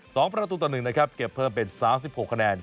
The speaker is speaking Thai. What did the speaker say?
สองพราตุต่อหนึ่งนะครับเก็บเพิ่มเป็น๓๖คะแนน